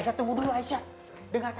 saya juga punya penyakit ilang gitu